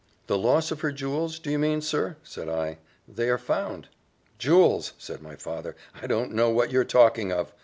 "The loss of her jewels, do you mean, sir?" said I: "they are found." "Jewels!" said my father; "I don't know what you are talking of."